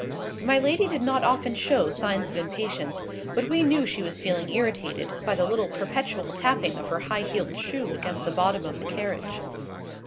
My lady did not often show signs of impatience; but we knew she was feeling irritated, by the little perpetual tapping of her high heeled shoe against the bottom of the carriage.